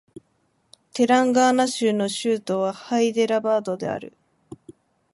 テランガーナ州の州都はハイデラバードである